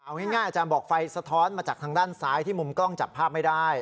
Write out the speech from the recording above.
เอาง่ายอาจารย์บอกไฟสะท้อนมาจากทางด้านซ้ายที่มุมกล้องจับภาพไม่ได้